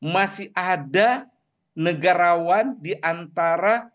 masih ada negarawan diantara